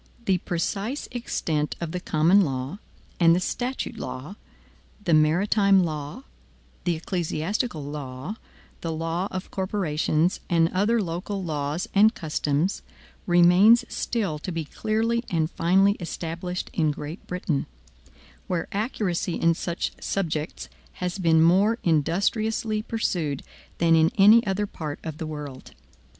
The precise extent of the common law, and the statute law, the maritime law, the ecclesiastical law, the law of corporations, and other local laws and customs, remains still to be clearly and finally established in Great Britain, where accuracy in such subjects has been more industriously pursued than in any other part of the world.